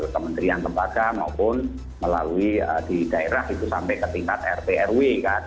kementerian lembaga maupun melalui di daerah itu sampai ke tingkat rt rw kan